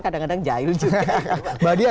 kadang kadang jahil juga